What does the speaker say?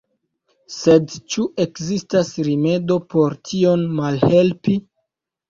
Sed ĉu ekzistas rimedo por tion malhelpi?